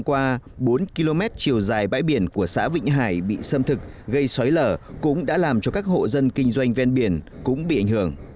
các km chiều dài bãi biển của xã vinh hải bị xâm thực gây xói lở cũng đã làm cho các hộ dân kinh doanh ven biển cũng bị ảnh hưởng